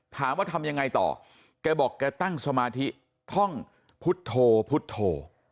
ทำยังไงต่อแกบอกแกตั้งสมาธิท่องพุทธโธพุทธโธ